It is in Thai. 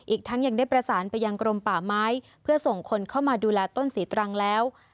อีกทั้งยังได้ประสานไปยังกรมป่าไม้เพื่อส่งคนเข้ามาดูแลต้นศรีตรังแล้ว